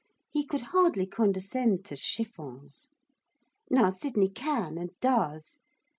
He could hardly condescend to chiffons. Now Sydney can and does.